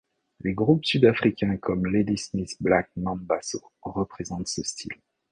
Les groupes sud-africains comme Ladysmith Black Mambazo représente ce style.